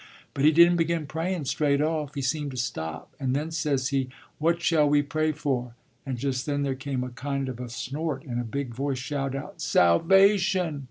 But he didn't begin prayun' straight off. He seemed to stop, and then says he, 'What shall we pray for?' and just then there came a kind of a snort, and a big voice shouted out, 'Salvation!'